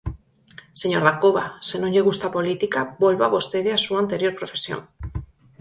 Señor Dacova, se non lle gusta a política, volva vostede á súa anterior profesión.